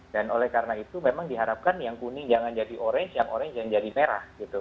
dan oleh karena itu memang diharapkan yang kuning jangan jadi orange yang orange jangan jadi merah